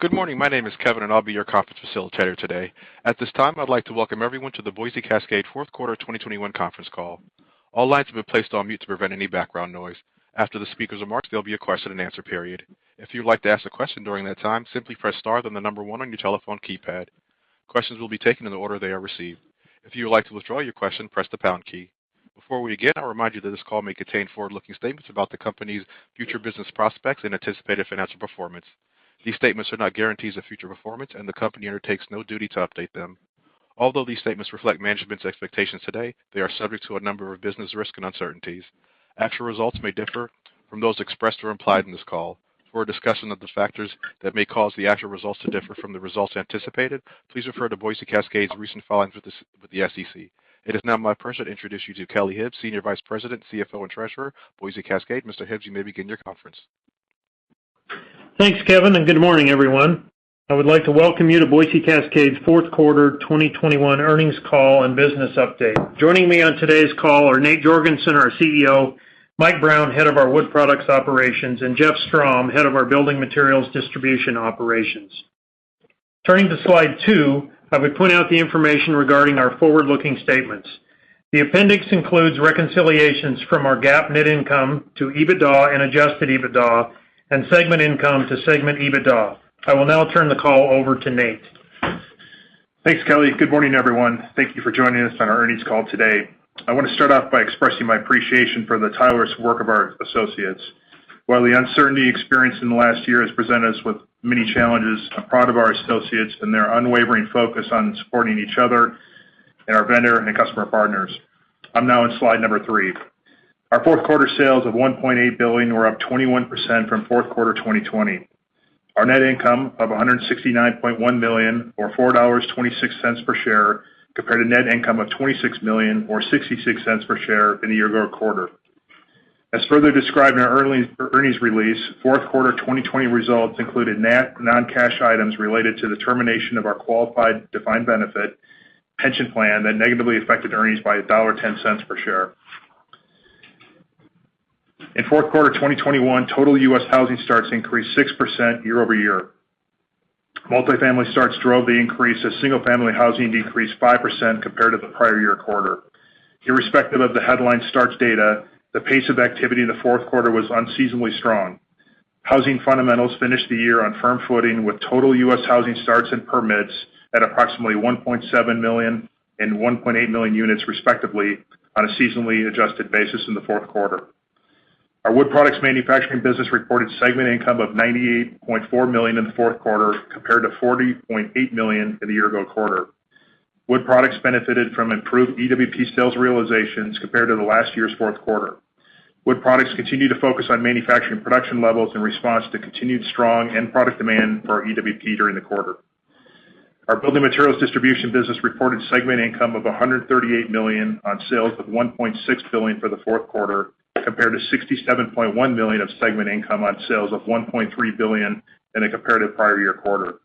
Good morning. My name is Kevin, and I'll be your conference facilitator today. At this time, I'd like to welcome everyone to the Boise Cascade Fourth Quarter 2021 Conference Call. All lines have been placed on mute to prevent any background noise. After the speaker's remarks, there'll be a question and answer period. If you'd like to ask a question during that time, simply press star, then the number one on your telephone keypad. Questions will be taken in the order they are received. If you would like to withdraw your question, press the pound key. Before we begin, I'll remind you that this call may contain forward-looking statements about the company's future business prospects and anticipated financial performance. These statements are not guarantees of future performance, and the company undertakes no duty to update them. Although these statements reflect management's expectations today, they are subject to a number of business risks and uncertainties. Actual results may differ from those expressed or implied in this call. For a discussion of the factors that may cause the actual results to differ from the results anticipated, please refer to Boise Cascade's recent filings with the SEC. It is now my pleasure to introduce you to Kelly Hibbs, Senior Vice President, CFO, and Treasurer, Boise Cascade. Mr. Hibbs, you may begin your conference. Thanks, Kevin, and good morning, everyone. I would like to welcome you to Boise Cascade's fourth quarter 2021 earnings call and business update. Joining me on today's call are Nate Jorgensen, our CEO, Mike Brown, head of our Wood Products operations, and Jeff Strom, head of our Building Materials Distribution operations. Turning to slide two, I would point out the information regarding our forward-looking statements. The appendix includes reconciliations from our GAAP net income to EBITDA and adjusted EBITDA and segment income to segment EBITDA. I will now turn the call over to Nate. Thanks, Kelly. Good morning, everyone. Thank you for joining us on our earnings call today. I want to start off by expressing my appreciation for the tireless work of our associates. While the uncertainty experienced in the last year has presented us with many challenges, I'm proud of our associates and their unwavering focus on supporting each other and our vendor and customer partners. I'm now on slide number three. Our fourth quarter sales of $1.8 billion were up 21% from fourth quarter 2020. Our net income of $169.1 million or $4.26 per share compared to net income of $26 million or $0.66 per share in the year-ago quarter. As further described in our earnings release, fourth quarter 2020 results included net non-cash items related to the termination of our qualified defined benefit pension plan that negatively affected earnings by $1.10 per share. In fourth quarter 2021, total U.S. housing starts increased 6% year-over-year. Multifamily starts drove the increase as single-family housing decreased 5% compared to the prior year quarter. Irrespective of the headline starts data, the pace of activity in the fourth quarter was unseasonably strong. Housing fundamentals finished the year on firm footing with total U.S. housing starts and permits at approximately 1.7 million and 1.8 million units, respectively, on a seasonally adjusted basis in the fourth quarter. Our Wood Products manufacturing business reported segment income of $98.4 million in the fourth quarter compared to $40.8 million in the year-ago quarter. Wood Products benefited from improved EWP sales realizations compared to last year's fourth quarter. Wood Products continued to focus on manufacturing production levels in response to continued strong end product demand for our EWP during the quarter. Our Building Materials Distribution business reported segment income of $138 million on sales of $1.6 billion for the fourth quarter, compared to $67.1 million of segment income on sales of $1.3 billion in the comparative prior year quarter.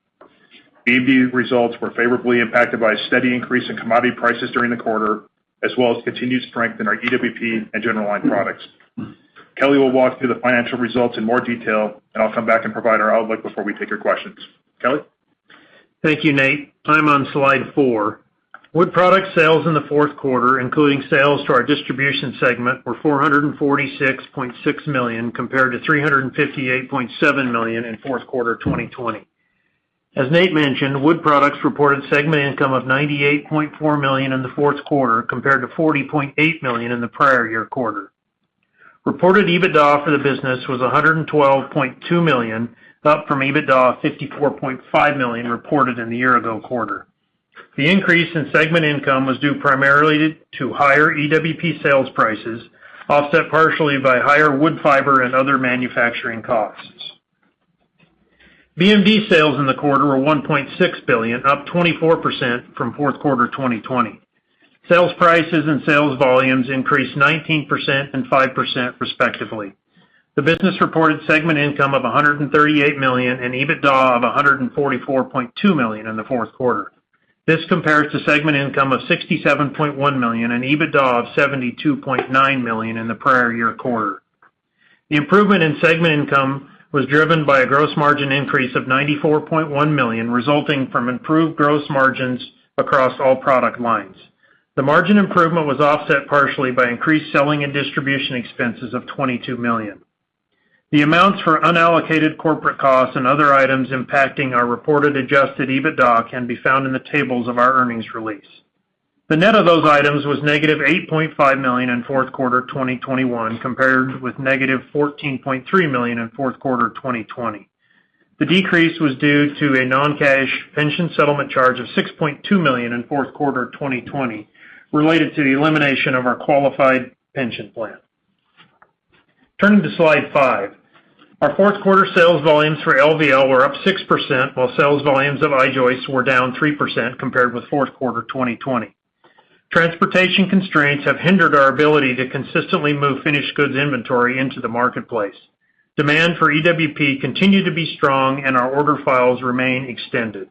BMD results were favorably impacted by a steady increase in commodity prices during the quarter, as well as continued strength in our EWP and general line products. Kelly will walk through the financial results in more detail, and I'll come back and provide our outlook before we take your questions. Kelly? Thank you, Nate. I'm on slide four. Wood Products sales in the fourth quarter, including sales to our distribution segment, were $446.6 million, compared to $358.7 million in fourth quarter 2020. As Nate mentioned, Wood Products reported segment income of $98.4 million in the fourth quarter, compared to $40.8 million in the prior year quarter. Reported EBITDA for the business was $112.2 million, up from EBITDA $54.5 million reported in the year-ago quarter. The increase in segment income was due primarily to higher EWP sales prices, offset partially by higher wood fiber and other manufacturing costs. BMD sales in the quarter were $1.6 billion, up 24% from fourth quarter 2020. Sales prices and sales volumes increased 19% and 5%, respectively. The business-reported segment income of $138 million and EBITDA of $144.2 million in the fourth quarter. This compares to segment income of $67.1 million and EBITDA of $72.9 million in the prior year quarter. The improvement in segment income was driven by a gross margin increase of $94.1 million, resulting from improved gross margins across all product lines. The margin improvement was offset partially by increased selling and distribution expenses of $22 million. The amounts for unallocated corporate costs and other items impacting our reported adjusted EBITDA can be found in the tables of our earnings release. The net of those items was -$8.5 million in fourth quarter 2021, compared with -$14.3 million in fourth quarter 2020. The decrease was due to a non-cash pension settlement charge of $6.2 million in fourth quarter 2020 related to the elimination of our qualified pension plan. Turning to slide five. Our fourth quarter sales volumes for LVL were up 6%, while sales volumes of I-joists were down 3% compared with fourth quarter 2020. Transportation constraints have hindered our ability to consistently move finished goods inventory into the marketplace. Demand for EWP continued to be strong and our order files remain extended.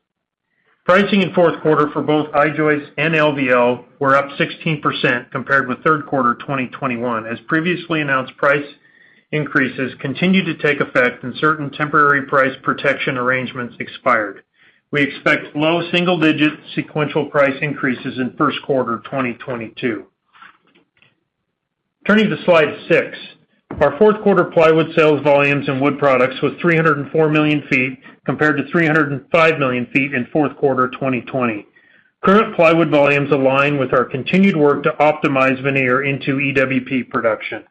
Pricing in fourth quarter for both I-joists and LVL were up 16% compared with third quarter 2021, as previously announced price increases continued to take effect and certain temporary price protection arrangements expired. We expect low single-digit sequential price increases in first quarter 2022. Turning to slide six. Our fourth quarter plywood sales volumes in Wood Products was 304 million ft, compared to 305 million ft in fourth quarter 2020. Current plywood volumes align with our continued work to optimize veneer into EWP production.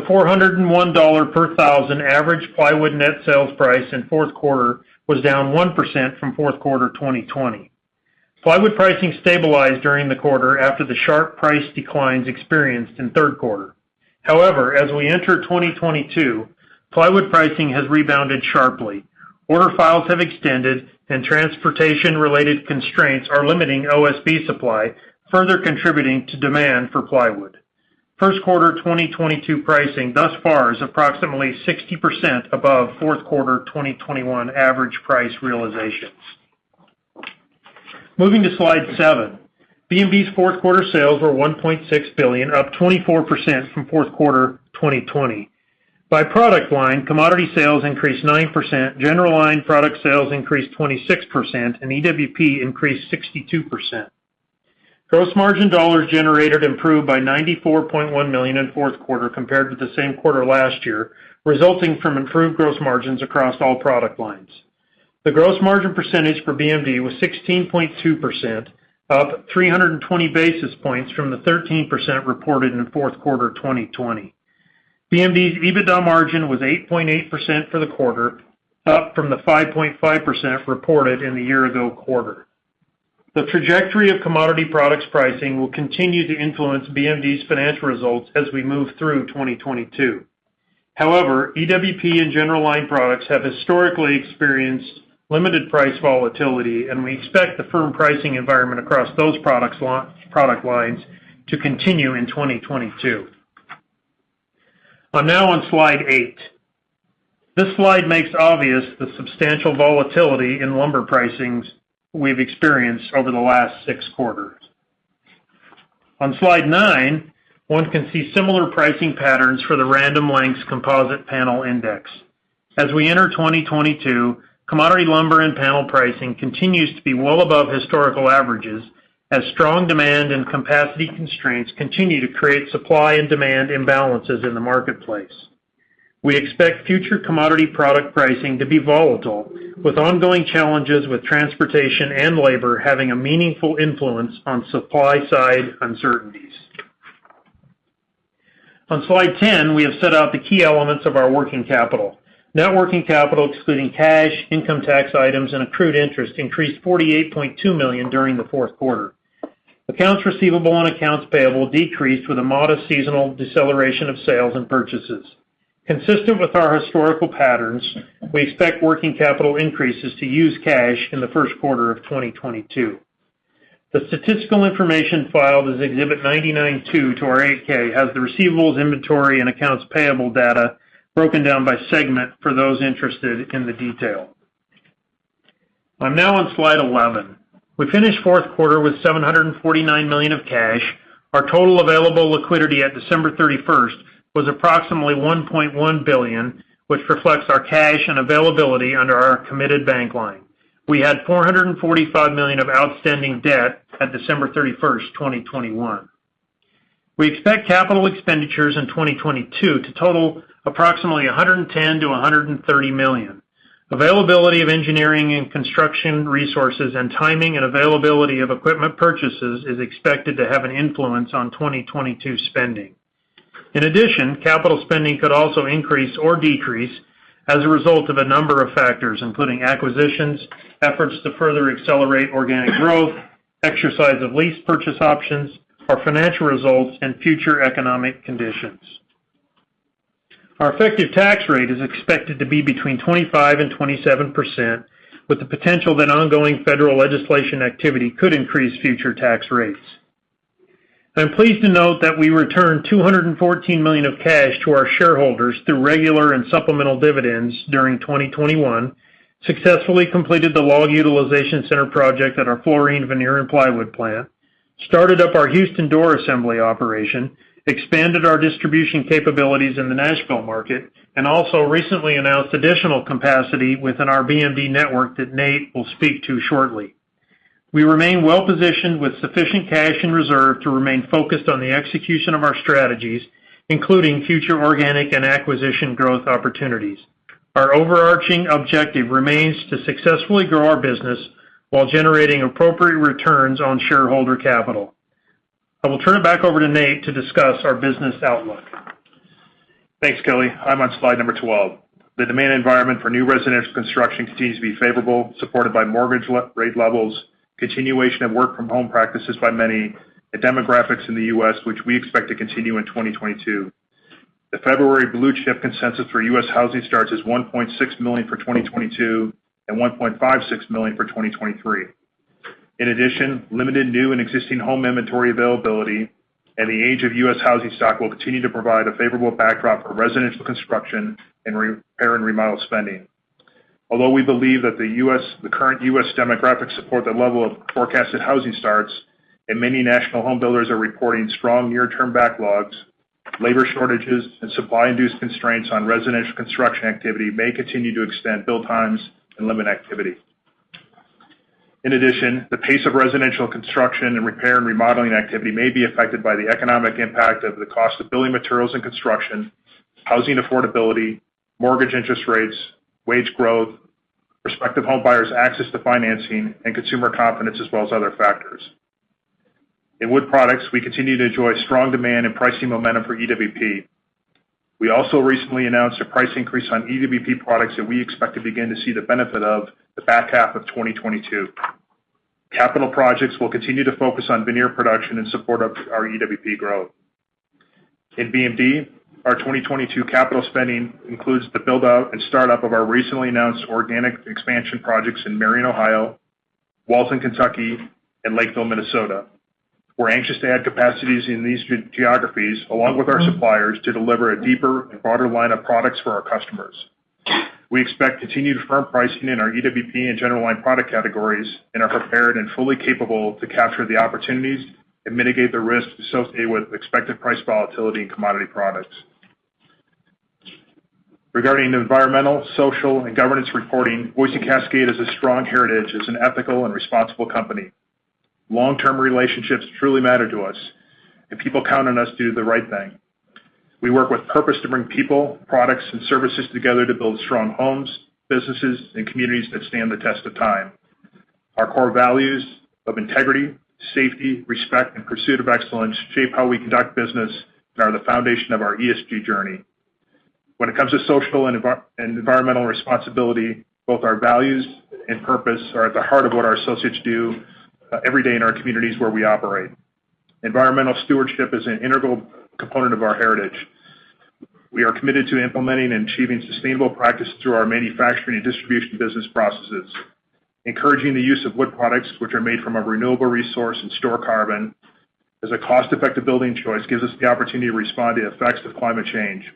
The $401 per thousand average plywood net sales price in fourth quarter was down 1% from fourth quarter 2020. Plywood pricing stabilized during the quarter after the sharp price declines experienced in third quarter. However, as we enter 2022, plywood pricing has rebounded sharply. Order files have extended and transportation-related constraints are limiting OSB supply, further contributing to demand for plywood. First quarter 2022 pricing thus far is approximately 60% above fourth quarter 2021 average price realizations. Moving to slide seven. BMD's fourth quarter sales were $1.6 billion, up 24% from fourth quarter 2020. By product line, commodity sales increased 9%, general line product sales increased 26%, and EWP increased 62%. Gross margin dollars generated improved by $94.1 million in fourth quarter compared with the same quarter last year, resulting from improved gross margins across all product lines. The gross margin percentage for BMD was 16.2%, up 320 basis points from the 13% reported in fourth quarter 2020. BMD's EBITDA margin was 8.8% for the quarter, up from the 5.5% reported in the year-ago quarter. The trajectory of commodity products pricing will continue to influence BMD's financial results as we move through 2022. However, EWP and general line products have historically experienced limited price volatility, and we expect the firm pricing environment across those product lines to continue in 2022. I'm now on slide eight. This slide makes obvious the substantial volatility in lumber pricings we've experienced over the last 6 quarters. On slide nine, one can see similar pricing patterns for the Random Lengths composite panel index. As we enter 2022, commodity lumber and panel pricing continues to be well above historical averages as strong demand and capacity constraints continue to create supply and demand imbalances in the marketplace. We expect future commodity product pricing to be volatile, with ongoing challenges with transportation and labor having a meaningful influence on supply-side uncertainties. On slide 10, we have set out the key elements of our working capital. Net working capital, excluding cash, income tax items, and accrued interest, increased $48.2 million during the fourth quarter. Accounts receivable and accounts payable decreased with a modest seasonal deceleration of sales and purchases. Consistent with our historical patterns, we expect working capital increases to use cash in the first quarter of 2022. The statistical information filed as Exhibit 99.2 to our 8-K has the receivables, inventory, and accounts payable data broken down by segment for those interested in the detail. I'm now on slide 11. We finished fourth quarter with $749 million of cash. Our total available liquidity at December 31st was approximately $1.1 billion, which reflects our cash and availability under our committed bank line. We had $445 million of outstanding debt at December 31st, 2021. We expect capital expenditures in 2022 to total approximately $110 million-$130 million. Availability of engineering and construction resources and timing and availability of equipment purchases is expected to have an influence on 2022 spending. In addition, capital spending could also increase or decrease as a result of a number of factors, including acquisitions, efforts to further accelerate organic growth, exercise of lease purchase options, our financial results, and future economic conditions. Our effective tax rate is expected to be between 25% and 27%, with the potential that ongoing federal legislation activity could increase future tax rates. I'm pleased to note that we returned $214 million of cash to our shareholders through regular and supplemental dividends during 2021, successfully completed the log utilization center project at our Florien veneer and plywood plant, started up our Houston door assembly operation, expanded our distribution capabilities in the Nashville market, and also recently announced additional capacity within our BMD network that Nate will speak to shortly. We remain well-positioned with sufficient cash in reserve to remain focused on the execution of our strategies, including future organic and acquisition growth opportunities. Our overarching objective remains to successfully grow our business while generating appropriate returns on shareholder capital. I will turn it back over to Nate to discuss our business outlook. Thanks, Kelly. I'm on slide number 12. The demand environment for new residential construction continues to be favorable, supported by mortgage rate levels, continuation of work from home practices by many, the demographics in the U.S., which we expect to continue in 2022. The February Blue Chip consensus for U.S. housing starts is 1.6 million for 2022 and 1.56 million for 2023. In addition, limited new and existing home inventory availability and the age of U.S. housing stock will continue to provide a favorable backdrop for residential construction and repair and remodel spending. Although we believe that the current U.S. demographics support the level of forecasted housing starts, and many national home builders are reporting strong near-term backlogs, labor shortages and supply-induced constraints on residential construction activity may continue to extend build times and limit activity. In addition, the pace of residential construction and repair and remodeling activity may be affected by the economic impact of the cost of building materials and construction, housing affordability, mortgage interest rates, wage growth, prospective home buyers access to financing, and consumer confidence as well as other factors. In Wood Products, we continue to enjoy strong demand and pricing momentum for EWP. We also recently announced a price increase on EWP products that we expect to begin to see the benefit of the back half of 2022. Capital projects will continue to focus on veneer production in support of our EWP growth. In BMD, our 2022 capital spending includes the build-out and start-up of our recently announced organic expansion projects in Marion, Ohio, Walton, Kentucky, and Lakeville, Minnesota. We're anxious to add capacities in these geographies along with our suppliers to deliver a deeper and broader line of products for our customers. We expect continued firm pricing in our EWP and general line product categories and are prepared and fully capable to capture the opportunities and mitigate the risks associated with expected price volatility in commodity products. Regarding environmental, social, and governance reporting, Boise Cascade has a strong heritage as an ethical and responsible company. Long-term relationships truly matter to us, and people count on us to do the right thing. We work with purpose to bring people, products, and services together to build strong homes, businesses, and communities that stand the test of time. Our core values of integrity, safety, respect, and pursuit of excellence shape how we conduct business and are the foundation of our ESG journey. When it comes to social and environmental responsibility, both our values and purpose are at the heart of what our associates do every day in our communities where we operate. Environmental stewardship is an integral component of our heritage. We are committed to implementing and achieving sustainable practice through our manufacturing and distribution business processes. Encouraging the use of wood products, which are made from a renewable resource and store carbon, as a cost-effective building choice gives us the opportunity to respond to the effects of climate change.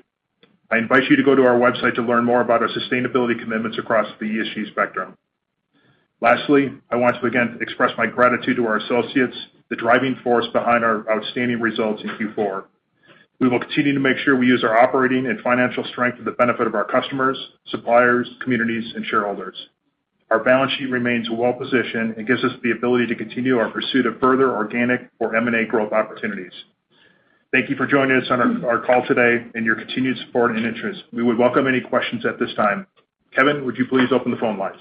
I invite you to go to our website to learn more about our sustainability commitments across the ESG spectrum. Lastly, I want to again express my gratitude to our associates, the driving force behind our outstanding results in Q4. We will continue to make sure we use our operating and financial strength for the benefit of our customers, suppliers, communities, and shareholders. Our balance sheet remains well-positioned and gives us the ability to continue our pursuit of further organic or M&A growth opportunities. Thank you for joining us on our call today and your continued support and interest. We would welcome any questions at this time. Kevin, would you please open the phone lines?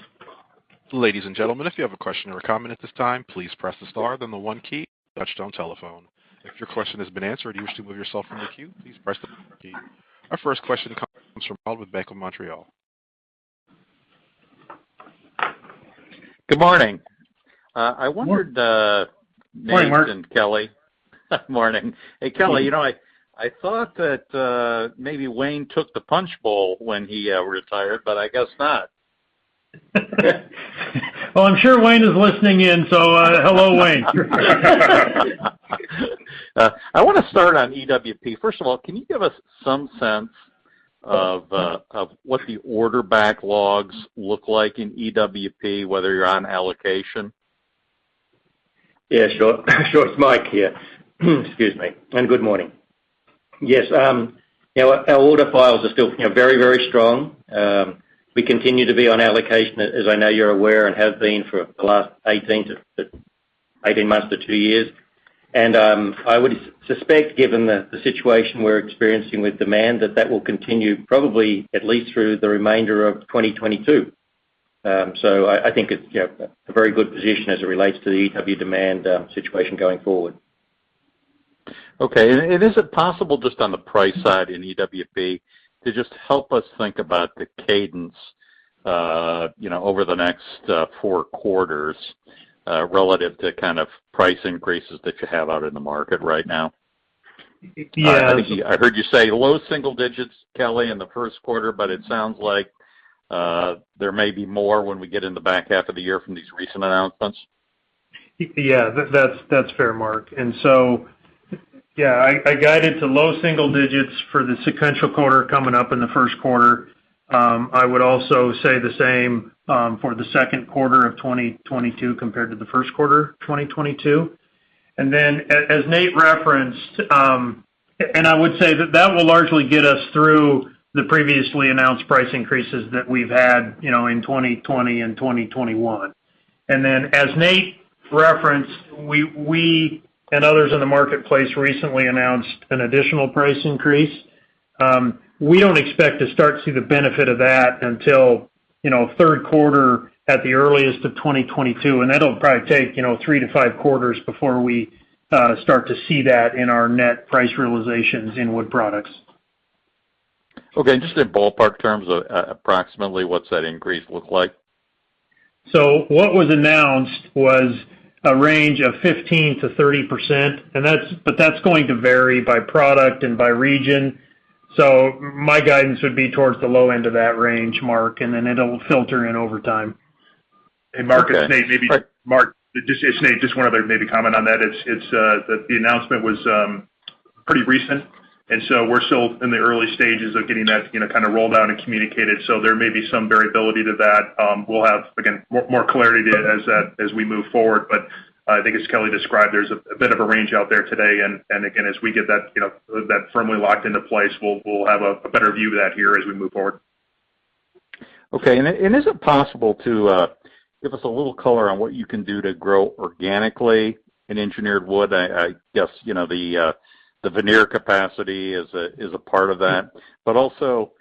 Ladies and gentlemen, if you have a question or a comment at this time, please press the star then the one key on your touchtone telephone. If your question has been answered and you wish to remove yourself from the queue, please press the pound key. Our first question comes from Mark Wilde with Bank of Montreal. Good morning. I wondered. Morning. Nate and Kelly. Morning. Hey, Kelly, you know, I thought that maybe Wayne took the punchbowl when he retired, but I guess not. Well, I'm sure Wayne is listening in, so, hello, Wayne. I wanna start on EWP. First of all, can you give us some sense of what the order backlogs look like in EWP, whether you're on allocation? Yeah, sure. It's Mike here. Excuse me, and good morning. Yes, you know, our order files are still, you know, very, very strong. We continue to be on allocation, as I know you're aware, and have been for the last 18 months to two years. I would suspect, given the situation we're experiencing with demand, that will continue probably at least through the remainder of 2022. So I think it's, you know, a very good position as it relates to the EWP demand situation going forward. Okay. Is it possible just on the price side in EWP to just help us think about the cadence, you know, over the next four quarters, relative to kind of price increases that you have out in the market right now? Yeah- I heard you say low single digits, Kelly, in the first quarter, but it sounds like there may be more when we get in the back half of the year from these recent announcements. Yeah. That's fair, Mark. Yeah, I guided to low single digits% for the sequential quarter coming up in the first quarter. I would also say the same for the second quarter of 2022 compared to the first quarter of 2022. As Nate referenced, I would say that will largely get us through the previously announced price increases that we've had, you know, in 2020 and 2021. As Nate referenced, we and others in the marketplace recently announced an additional price increase. We don't expect to start to see the benefit of that until, you know, third quarter at the earliest of 2022, and that'll probably take, you know, three to five quarters before we start to see that in our net price realizations in Wood Products. Okay. Just in ballpark terms, approximately, what's that increase look like? What was announced was a range of 15%-30%, but that's going to vary by product and by region. My guidance would be towards the low end of that range, Mark, and then it'll filter in over time. Hey, Mark, it's Nate. Sorry. Mark, it's Nate. Just one other maybe comment on that. It's the announcement was pretty recent, and so we're still in the early stages of getting that, you know, kind of rolled out and communicated. There may be some variability to that. We'll have again more clarity as we move forward. I think as Kelly described, there's a bit of a range out there today. Again, as we get that, you know, that firmly locked into place, we'll have a better view of that here as we move forward. Okay. Is it possible to give us a little color on what you can do to grow organically in engineered wood? I guess, you know, the veneer capacity is a part of that, but also,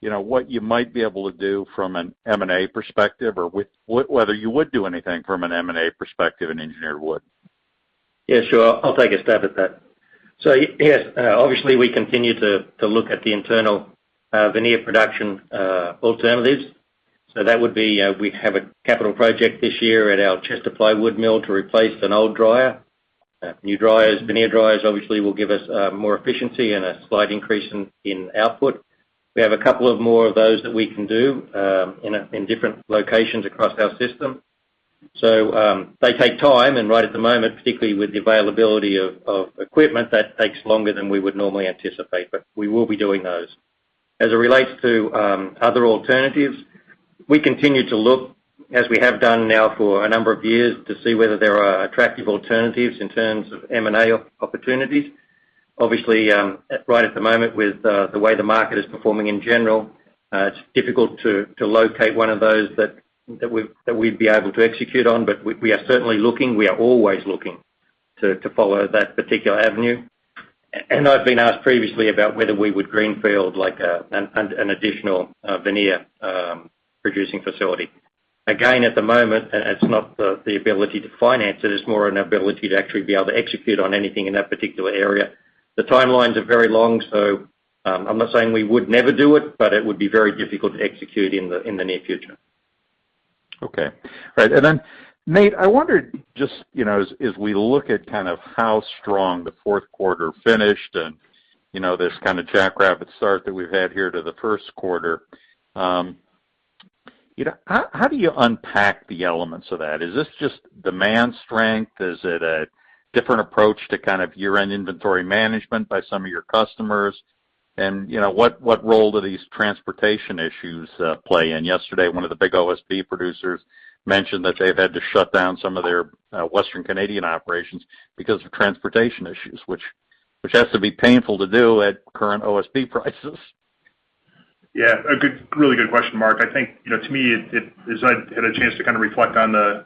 you know, what you might be able to do from an M&A perspective or whether you would do anything from an M&A perspective in engineered wood. Yeah, sure. I'll take a stab at that. Yes, obviously we continue to look at the internal veneer production alternatives. That would be, we have a capital project this year at our Chester Plywood mill to replace an old dryer. New dryers, veneer dryers obviously will give us more efficiency and a slight increase in output. We have a couple of more of those that we can do in different locations across our system. They take time, and right at the moment, particularly with the availability of equipment, that takes longer than we would normally anticipate, but we will be doing those. As it relates to other alternatives, we continue to look, as we have done now for a number of years, to see whether there are attractive alternatives in terms of M&A opportunities. Obviously, right at the moment with the way the market is performing in general, it's difficult to locate one of those that we'd be able to execute on, but we are certainly looking. We are always looking to follow that particular avenue. I've been asked previously about whether we would greenfield like an additional veneer producing facility. Again, at the moment, it's not the ability to finance it's more an ability to actually be able to execute on anything in that particular area. The timelines are very long, so, I'm not saying we would never do it, but it would be very difficult to execute in the near future. Okay. All right. Nate, I wondered just, you know, as we look at kind of how strong the fourth quarter finished and, you know, this kind of jackrabbit start that we've had here to the first quarter, you know, how do you unpack the elements of that? Is this just demand strength? Is it a different approach to kind of year-end inventory management by some of your customers? And, you know, what role do these transportation issues play in? Yesterday, one of the big OSB producers mentioned that they've had to shut down some of their Western Canadian operations because of transportation issues, which has to be painful to do at current OSB prices. Yeah. A good, really good question, Mark. I think, you know, to me it. As I had a chance to kind of reflect on the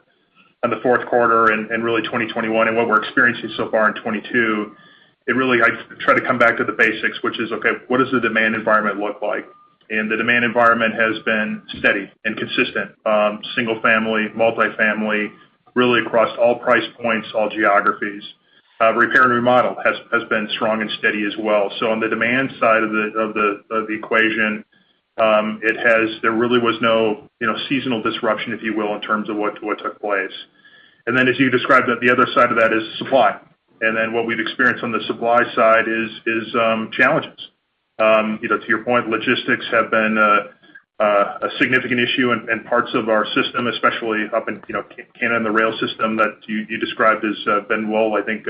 fourth quarter and really 2021 and what we're experiencing so far in 2022, it really, I try to come back to the basics, which is, okay, what does the demand environment look like? The demand environment has been steady and consistent, single family, multifamily, really across all price points, all geographies. Repair and remodel has been strong and steady as well. On the demand side of the equation, it has. There really was no, you know, seasonal disruption, if you will, in terms of what took place. Then as you described, the other side of that is supply. What we've experienced on the supply side is challenges. You know, to your point, logistics have been a significant issue in parts of our system, especially up in Canada and the rail system that you described as has been well, I think,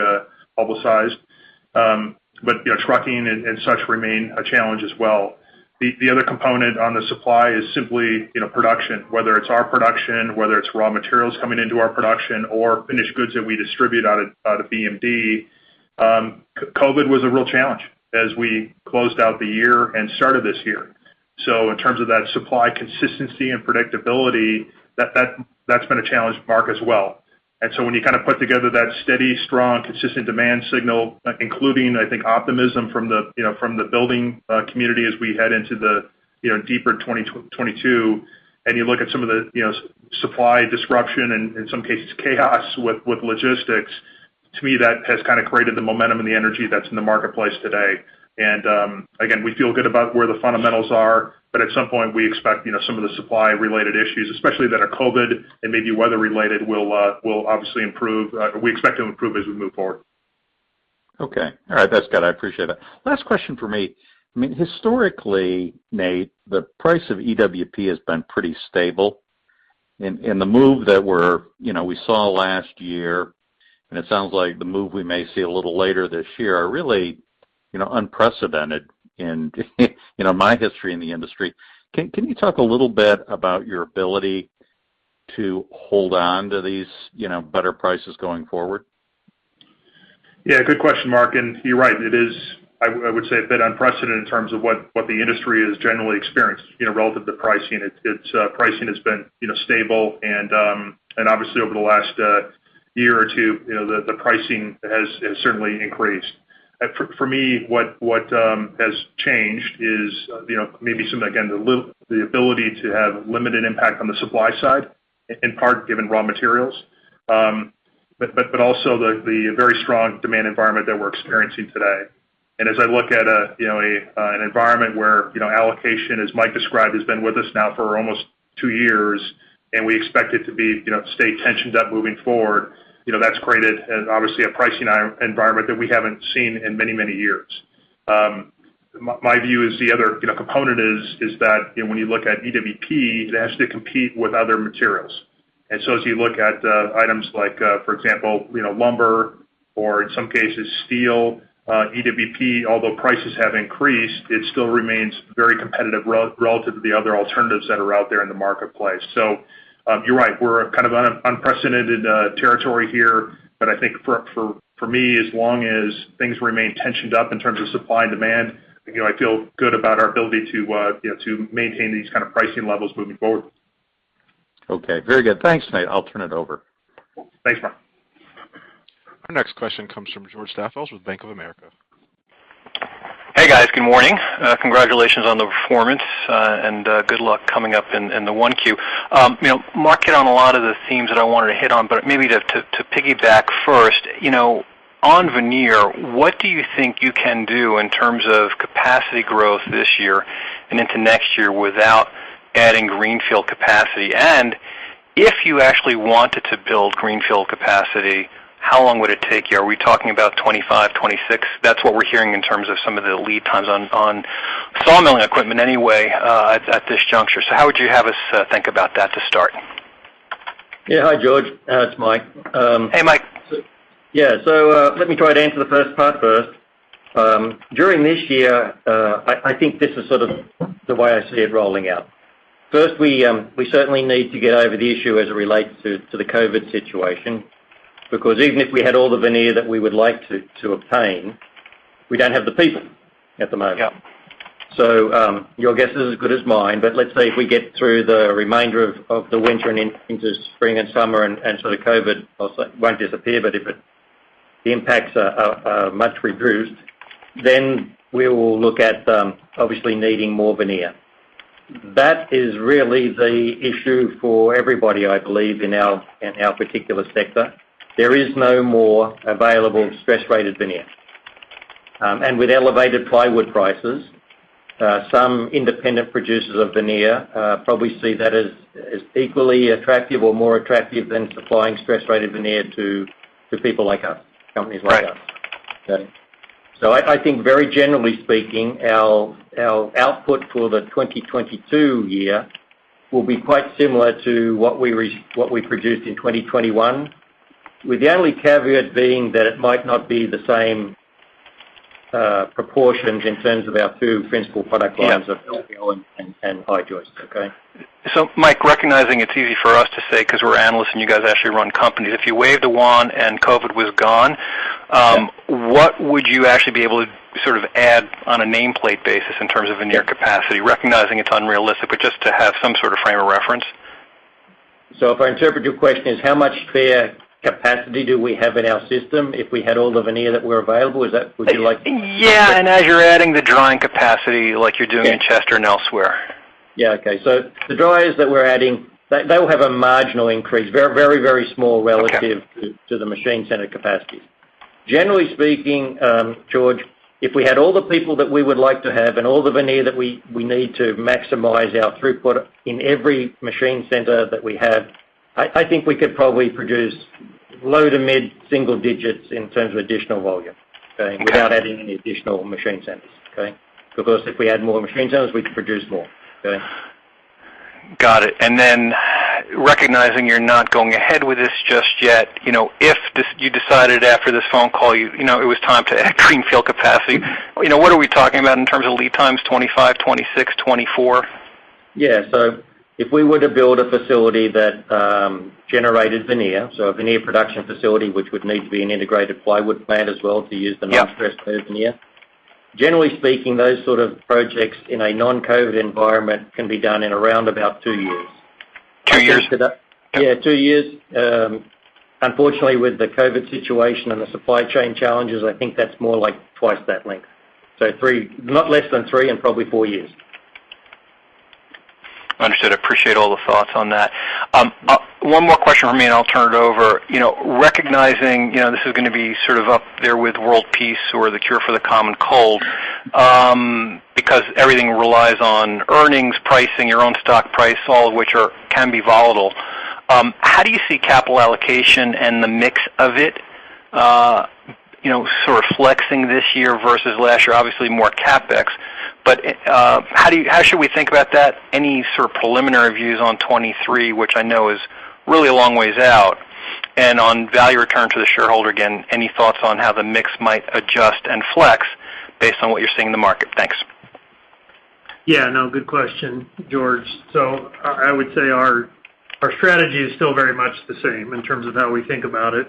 publicized. You know, trucking and such remain a challenge as well. The other component on the supply is simply production, whether it's our production, whether it's raw materials coming into our production or finished goods that we distribute out of BMD. COVID was a real challenge as we closed out the year and started this year. In terms of that supply consistency and predictability, that's been a challenge, Mark, as well. When you kind of put together that steady, strong, consistent demand signal, including, I think, optimism from the, you know, from the building community as we head into the, you know, deeper 2022, and you look at some of the, you know, supply disruption and, in some cases, chaos with logistics, to me, that has kind of created the momentum and the energy that's in the marketplace today. Again, we feel good about where the fundamentals are, but at some point we expect, you know, some of the supply-related issues, especially that are COVID and maybe weather-related will obviously improve. We expect to improve as we move forward. Okay. All right. That's good. I appreciate it. Last question from me. I mean, historically, Nate, the price of EWP has been pretty stable. The move that we saw last year, and it sounds like the move we may see a little later this year are really, you know, unprecedented in, you know, my history in the industry. Can you talk a little bit about your ability to hold on to these, you know, better prices going forward? Yeah, good question, Mark. You're right, it is. I would say a bit unprecedented in terms of what the industry has generally experienced, you know, relative to pricing. Pricing has been, you know, stable and obviously over the last year or two, you know, the pricing has certainly increased. For me, what has changed is, you know, maybe some, again, the ability to have limited impact on the supply side in part given raw materials. But also the very strong demand environment that we're experiencing today. As I look at an environment where, you know, allocation, as Mike described, has been with us now for almost two years, and we expect it to stay tensioned up moving forward. You know, that's created obviously a pricing environment that we haven't seen in many, many years. My view is the other, you know, component is that when you look at EWP, it has to compete with other materials. As you look at items like, for example, you know, lumber or in some cases steel, EWP, although prices have increased, it still remains very competitive relative to the other alternatives that are out there in the marketplace. You're right, we're kind of unprecedented territory here. I think for me, as long as things remain tensioned up in terms of supply and demand, you know, I feel good about our ability to, you know, to maintain these kind of pricing levels moving forward. Okay, very good. Thanks, Nate. I'll turn it over. Thanks, Mark. Our next question comes from George Staphos with Bank of America. Hey, guys. Good morning. Congratulations on the performance, and good luck coming up in 1Q. You know, Mark hit on a lot of the themes that I wanted to hit on, but maybe to piggyback first, you know, on veneer, what do you think you can do in terms of capacity growth this year and into next year without adding greenfield capacity? And if you actually wanted to build greenfield capacity, how long would it take you? Are we talking about 2025, 2026? That's what we're hearing in terms of some of the lead times on sawmilling equipment anyway, at this juncture. How would you have us think about that to start? Yeah. Hi, George. It's Mike. Hey, Mike. Yeah. Let me try to answer the first part first. During this year, I think this is sort of the way I see it rolling out. First, we certainly need to get over the issue as it relates to the COVID situation. Because even if we had all the veneer that we would like to obtain, we don't have the people at the moment. Yeah. Your guess is as good as mine. Let's say if we get through the remainder of the winter and into spring and summer, and sort of COVID also won't disappear, but if it the impacts are much reduced, then we will look at obviously needing more veneer. That is really the issue for everybody, I believe, in our particular sector. There is no more available stress-rated veneer. And with elevated plywood prices, some independent producers of veneer probably see that as equally attractive or more attractive than supplying stress-rated veneer to people like us, companies like us. Right. Okay. I think very generally speaking, our output for the 2022 year will be quite similar to what we produced in 2021, with the only caveat being that it might not be the same proportions in terms of our two principal product lines. Yeah. of LVL and I-joists. Okay? Mike, recognizing it's easy for us to say 'cause we're analysts and you guys actually run companies. If you waved a wand and COVID was gone. Yeah. What would you actually be able to sort of add on a nameplate basis in terms of veneer capacity? Recognizing it's unrealistic, but just to have some sort of frame of reference. If I interpret your question as how much clear capacity do we have in our system if we had all the veneer that were available, is that what you'd like? Yeah. As you're adding the drying capacity like you're doing in Chester and elsewhere. Yeah. Okay. The dryers that we're adding will have a marginal increase, very small relative- Okay. To the machine center capacity. Generally speaking, George, if we had all the people that we would like to have and all the veneer that we need to maximize our throughput in every machine center that we have, I think we could probably produce low to mid single digits in terms of additional volume, okay? Okay. Without adding any additional machine centers, okay? Because if we add more machine centers, we can produce more. Okay? Got it. Recognizing you're not going ahead with this just yet. You know, if you decided after this phone call, you know, it was time to add greenfield capacity, you know, what are we talking about in terms of lead times? 2025, 2026, 2024? If we were to build a facility that generated veneer, a veneer production facility, which would need to be an integrated plywood plant as well to use the- Yeah. Non-stress veneer. Generally speaking, those sort of projects in a non-COVID environment can be done in around about two years. Two years? Yeah, two years. Unfortunately, with the COVID situation and the supply chain challenges, I think that's more like twice that length. Not less than three and probably four years. Understood. Appreciate all the thoughts on that. One more question from me, and I'll turn it over. You know, recognizing, you know, this is gonna be sort of up there with world peace or the cure for the common cold, because everything relies on earnings, pricing, your own stock price, all of which can be volatile. How do you see capital allocation and the mix of it, you know, sort of flexing this year versus last year? Obviously more CapEx. But, how should we think about that? Any sort of preliminary views on 2023, which I know is really a long ways out? On value return to the shareholder, again, any thoughts on how the mix might adjust and flex based on what you're seeing in the market? Thanks. Yeah. No, good question, George. I would say our strategy is still very much the same in terms of how we think about it.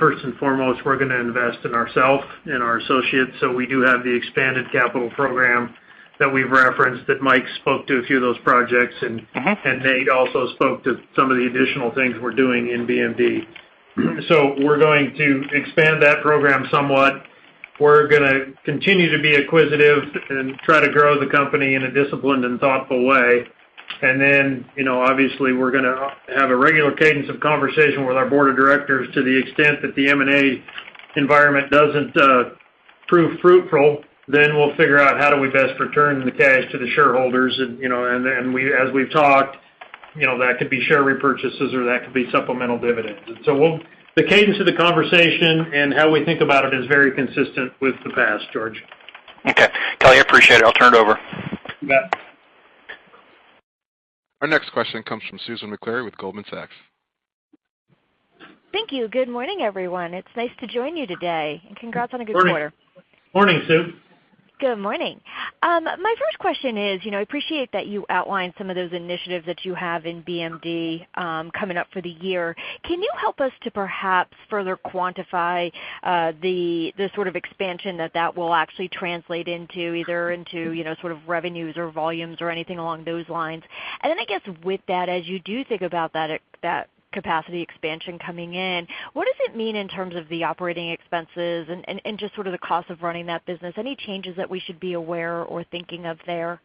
First and foremost, we're gonna invest in ourselves and our associates. We do have the expanded capital program that we've referenced, that Mike spoke to a few of those projects. Mm-hmm. Nate also spoke to some of the additional things we're doing in BMD. We're going to expand that program somewhat. We're gonna continue to be acquisitive and try to grow the company in a disciplined and thoughtful way. You know, obviously, we're gonna have a regular cadence of conversation with our board of directors to the extent that the M&A environment doesn't prove fruitful, then we'll figure out how do we best return the cash to the shareholders. You know, we, as we've talked, you know, that could be share repurchases or that could be supplemental dividends. We'll, the cadence of the conversation and how we think about it is very consistent with the past, George. Okay. Kelly, I appreciate it. I'll turn it over. You bet. Our next question comes from Susan Maklari with Goldman Sachs. Thank you. Good morning, everyone. It's nice to join you today, and congrats on a good quarter. Morning. Morning, Sue. Good morning. My first question is, you know, I appreciate that you outlined some of those initiatives that you have in BMD coming up for the year. Can you help us to perhaps further quantify the sort of expansion that that will actually translate into, either into, you know, sort of revenues or volumes or anything along those lines? I guess with that, as you do think about that capacity expansion coming in, what does it mean in terms of the operating expenses and just sort of the cost of running that business? Any changes that we should be aware or thinking of there?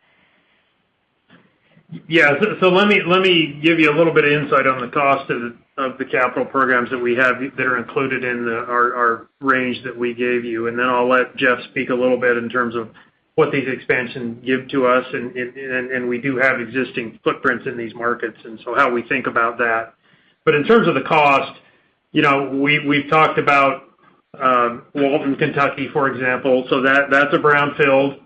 Yeah. Let me give you a little bit of insight on the cost of the capital programs that we have that are included in our range that we gave you, and then I'll let Jeff speak a little bit in terms of what these expansion give to us and we do have existing footprints in these markets, and so how we think about that. In terms of the cost, you know, we've talked about Walton, Kentucky, for example. That that's a brownfield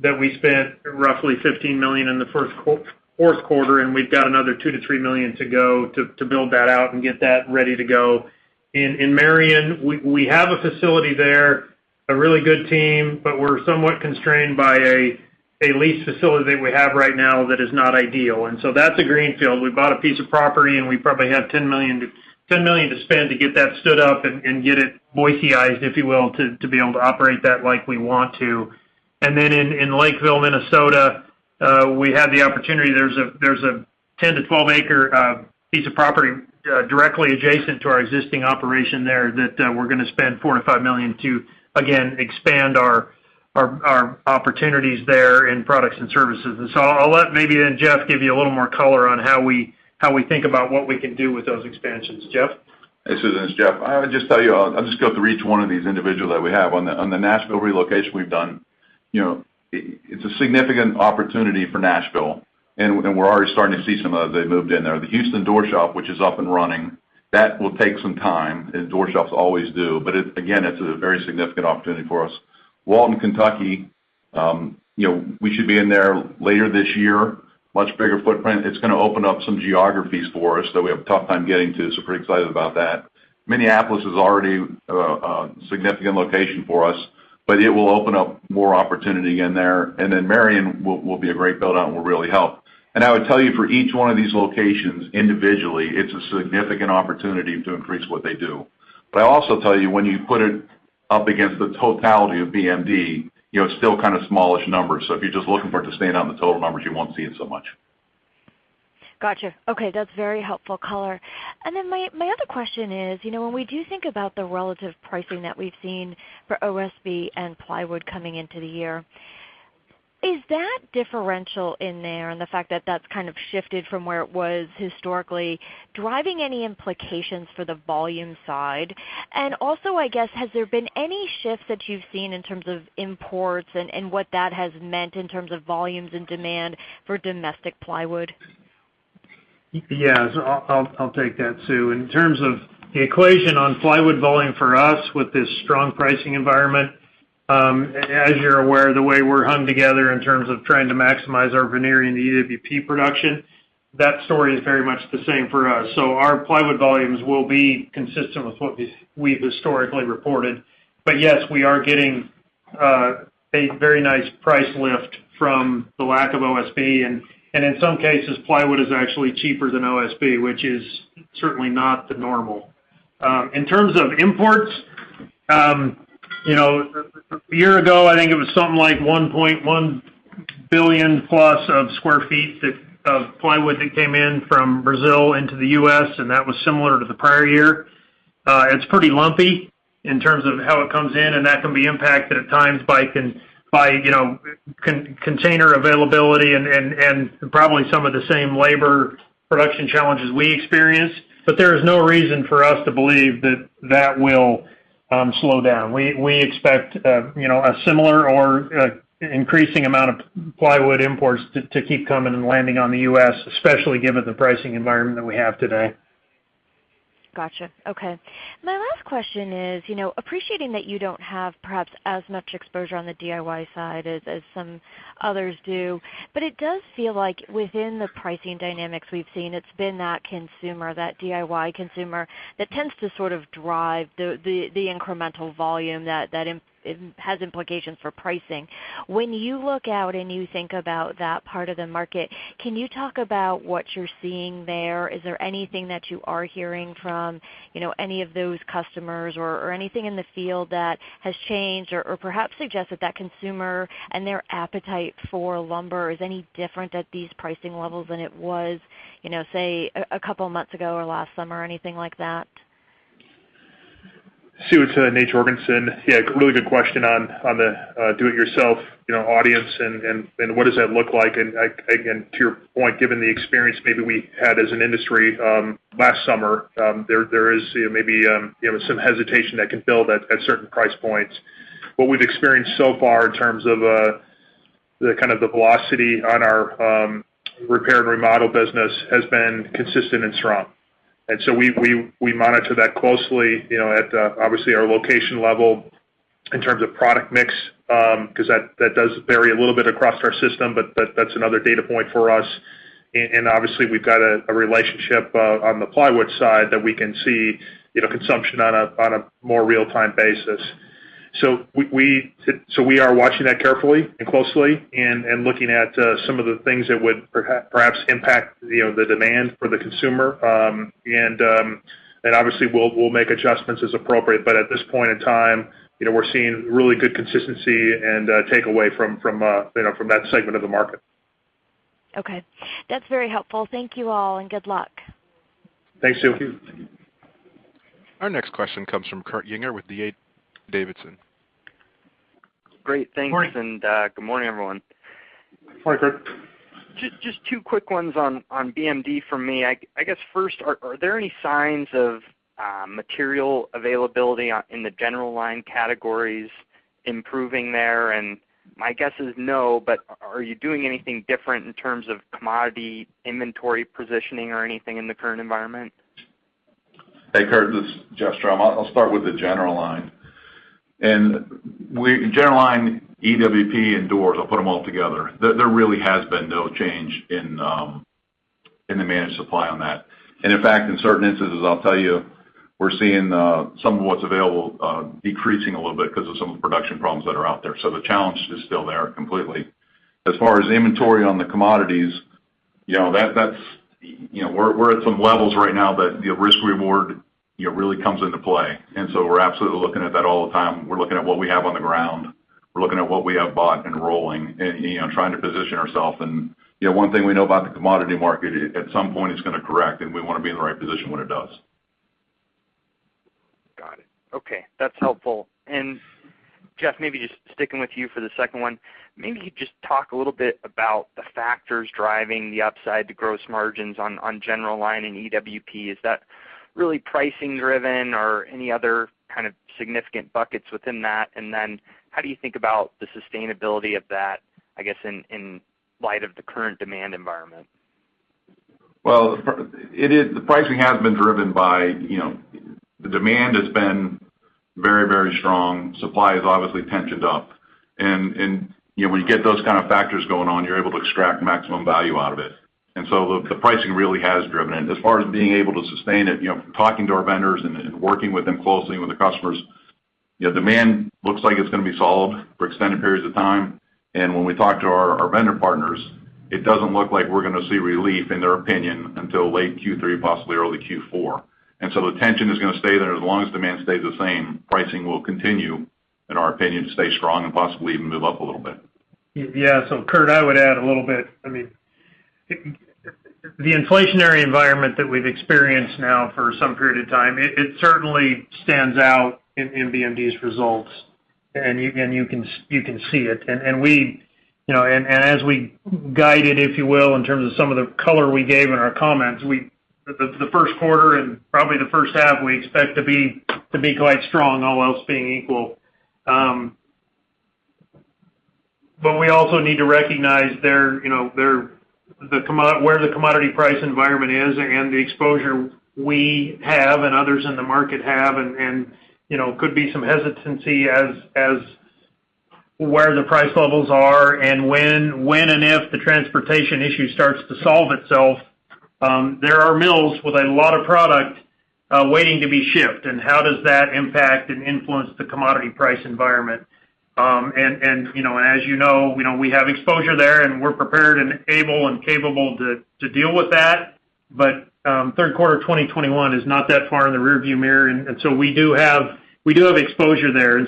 that we spent roughly $15 million in the fourth quarter, and we've got another $2 million-$3 million to go to build that out and get that ready to go. In Marion, we have a facility there, a really good team, but we're somewhat constrained by a lease facility that we have right now that is not ideal. That's a greenfield. We bought a piece of property, and we probably have $10 million to spend to get that stood up and get it modernized, if you will, to be able to operate that like we want to. In Lakeville, Minnesota, we had the opportunity. There's a 10- to 12-acre piece of property directly adjacent to our existing operation there that we're gonna spend $4 million-$5 million to, again, expand our opportunities there in products and services. I'll let maybe then Jeff give you a little more color on how we think about what we can do with those expansions. Jeff? Hey, Susan, it's Jeff. I would just tell you, I'll just go through each one of these individually that we have. On the Nashville relocation we've done, you know, it's a significant opportunity for Nashville, and we're already starting to see some of that. They've moved in there. The Houston door shop, which is up and running, that will take some time, as door shops always do. But it, again, it's a very significant opportunity for us. Walton, Kentucky, you know, we should be in there later this year, much bigger footprint. It's gonna open up some geographies for us that we have a tough time getting to, so pretty excited about that. Minneapolis is already a significant location for us, but it will open up more opportunity in there. Then Marion will be a great build-out and will really help. I would tell you for each one of these locations individually, it's a significant opportunity to increase what they do. I'll also tell you, when you put it up against the totality of BMD, you know, it's still kind of smallish numbers. If you're just looking for it to stay on the total numbers, you won't see it so much. Gotcha. Okay. That's very helpful color. Then my other question is, you know, when we do think about the relative pricing that we've seen for OSB and plywood coming into the year, is that differential in there and the fact that that's kind of shifted from where it was historically driving any implications for the volume side? Also, I guess, has there been any shifts that you've seen in terms of imports and what that has meant in terms of volumes and demand for domestic plywood? Yes. I'll take that, Sue. In terms of the equation on plywood volume for us with this strong pricing environment, as you're aware, the way we're hung together in terms of trying to maximize our veneering EWP production, that story is very much the same for us. Our plywood volumes will be consistent with what we've historically reported. Yes, we are getting a very nice price lift from the lack of OSB. In some cases, plywood is actually cheaper than OSB, which is certainly not the normal. In terms of imports, you know, a year ago, I think it was something like 1.1 billion+ sq ft of plywood that came in from Brazil into the U.S., and that was similar to the prior year. It's pretty lumpy in terms of how it comes in, and that can be impacted at times by, you know, container availability and probably some of the same labor production challenges we experience. There is no reason for us to believe that will slow down. We expect, you know, a similar or increasing amount of plywood imports to keep coming and landing on the U.S., especially given the pricing environment that we have today. Gotcha. Okay. My last question is, you know, appreciating that you don't have perhaps as much exposure on the DIY side as some others do, but it does feel like within the pricing dynamics we've seen, it's been that consumer, that DIY consumer that tends to sort of drive the incremental volume that has implications for pricing. When you look out and you think about that part of the market, can you talk about what you're seeing there? Is there anything that you are hearing from, you know, any of those customers or anything in the field that has changed or perhaps suggests that that consumer and their appetite for lumber is any different at these pricing levels than it was, you know, say a couple of months ago or last summer or anything like that? Susan, it's Nate Jorgensen. Yeah, really good question on the do it yourself, you know, audience and what does that look like. Again, to your point, given the experience maybe we had as an industry last summer, there is, you know, maybe some hesitation that can build at certain price points. What we've experienced so far in terms of the kind of the velocity on our repair and remodel business has been consistent and strong. We monitor that closely, you know, at obviously our location level in terms of product mix, 'cause that does vary a little bit across our system, but that's another data point for us. Obviously we've got a relationship on the plywood side that we can see, you know, consumption on a more real time basis. We are watching that carefully and closely and looking at some of the things that would perhaps impact, you know, the demand for the consumer. We'll make adjustments as appropriate. But at this point in time, you know, we're seeing really good consistency and takeaway from that segment of the market. Okay. That's very helpful. Thank you all, and good luck. Thanks, Sue. Our next question comes from Kurt Yinger with D.A. Davidson. Great. Thanks. Morning. Good morning, everyone. Morning, Kurt. Just two quick ones on BMD for me. I guess first, are there any signs of material availability in the general line categories improving there? My guess is no, but are you doing anything different in terms of commodity inventory positioning or anything in the current environment? Hey, Kurt, this is Jeff Strom. I'll start with the general line, general line, EWP and doors. I'll put them all together. There really has been no change in the managed supply on that. In fact, in certain instances, I'll tell you, we're seeing some of what's available decreasing a little bit because of some of the production problems that are out there. The challenge is still there completely. As far as inventory on the commodities, you know, that's, you know, we're at some levels right now that the risk-reward, you know, really comes into play. We're absolutely looking at that all the time. We're looking at what we have on the ground. We're looking at what we have bought and rolling and, you know, trying to position ourselves. You know, one thing we know about the commodity market, at some point, it's gonna correct, and we wanna be in the right position when it does. Got it. Okay. That's helpful. Jeff, maybe just sticking with you for the second one. Maybe just talk a little bit about the factors driving the upside, the gross margins on general line and EWP. Is that really pricing driven or any other kind of significant buckets within that? How do you think about the sustainability of that, I guess, in light of the current demand environment? Well, the pricing has been driven by, you know, the demand has been very, very strong. Supply is obviously tightened up. You know, when you get those kind of factors going on, you're able to extract maximum value out of it. The pricing really has driven. As far as being able to sustain it, you know, talking to our vendors and working with them closely with the customers, you know, demand looks like it's gonna be solid for extended periods of time. When we talk to our vendor partners, it doesn't look like we're gonna see relief in their opinion until late Q3, possibly early Q4. The tension is gonna stay there. As long as demand stays the same, pricing will continue, in our opinion, to stay strong and possibly even move up a little bit. Yeah. Kurt, I would add a little bit. I mean, the inflationary environment that we've experienced now for some period of time, it certainly stands out in BMD's results. You can see it. We, you know, as we guide it, if you will, in terms of some of the color we gave in our comments, the first quarter and probably the first half we expect to be quite strong, all else being equal. We also need to recognize the commodity price environment is and the exposure we have and others in the market have, and you know, could be some hesitancy as to where the price levels are and when and if the transportation issue starts to solve itself. There are mills with a lot of product waiting to be shipped, and how does that impact and influence the commodity price environment? You know, as you know, we have exposure there, and we're prepared and able and capable to deal with that. Third quarter of 2021 is not that far in the rearview mirror, and so we do have exposure there.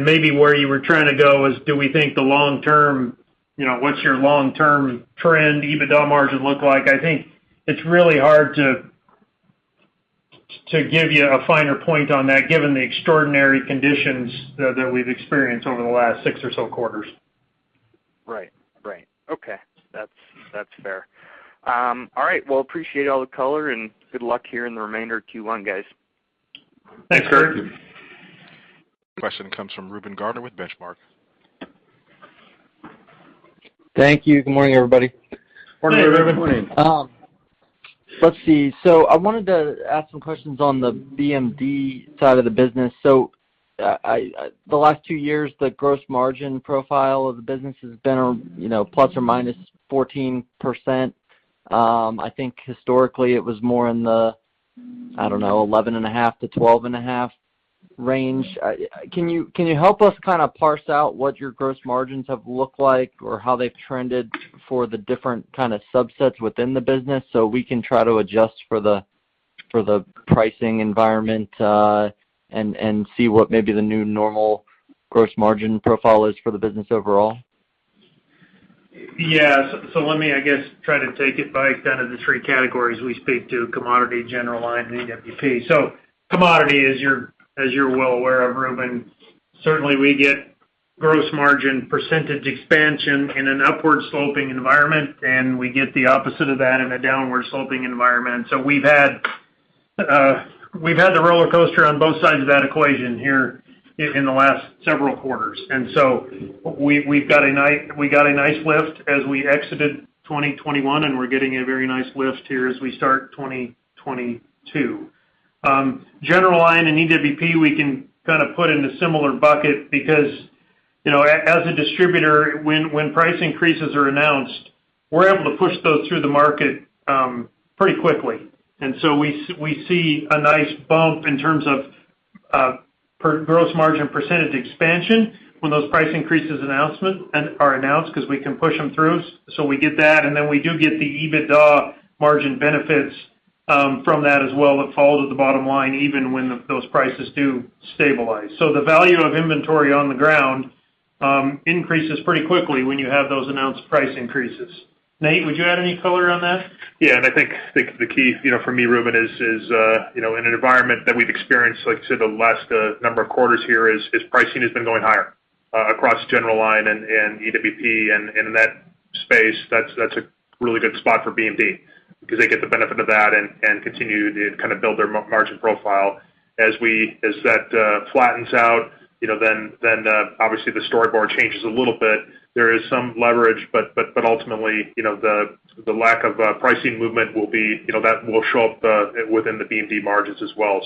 Maybe where you were trying to go is, do we think the long term, you know, what's your long term trend EBITDA margin look like? I think it's really hard to give you a finer point on that given the extraordinary conditions that we've experienced over the last six or so quarters. Right. Okay. That's fair. All right. Well, appreciate all the color, and good luck here in the remainder of Q1, guys. Thanks, Kurt. Question comes from Reuben Garner with Benchmark. Thank you. Good morning, everybody. Morning, Reuben. Good morning. Let's see. I wanted to ask some questions on the BMD side of the business. The last two years, the gross margin profile of the business has been, you know, ±14%. I think historically it was more in the, I don't know, 11.5%-12.5% range. Can you help us kind of parse out what your gross margins have looked like or how they've trended for the different kind of subsets within the business so we can try to adjust for the pricing environment and see what maybe the new normal gross margin profile is for the business overall? Yeah. Let me, I guess, try to take it by kind of the three categories we speak to, commodity, general line, and EWP. Commodity, as you're well aware of, Reuben, certainly we get gross margin percentage expansion in an upward sloping environment, and we get the opposite of that in a downward sloping environment. We've had the rollercoaster on both sides of that equation here in the last several quarters. We got a nice lift as we exited 2021, and we're getting a very nice lift here as we start 2022. General line and EWP, we can kind of put in a similar bucket because, you know, as a distributor, when price increases are announced, we're able to push those through the market pretty quickly. We see a nice bump in terms of gross margin percentage expansion when those price increases are announced because we can push them through. We get that, and then we do get the EBITDA margin benefits from that as well that fall to the bottom line even when those prices do stabilize. The value of inventory on the ground increases pretty quickly when you have those announced price increases. Nate, would you add any color on that? Yeah. I think the key, you know, for me, Reuben, is, you know, in an environment that we've experienced, like, say, the last number of quarters here is pricing has been going higher across general line and EWP and in that space, that's a really good spot for BMD because they get the benefit of that and continue to kind of build their margin profile. As that flattens out, you know, then obviously the story changes a little bit. There is some leverage, but ultimately, you know, the lack of pricing movement will be, you know, that will show up within the BMD margins as well.